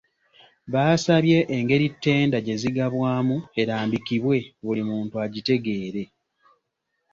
Baasabye engeri ttenda gye zigabwaamu erambikibwe, buli muntu agitegeere.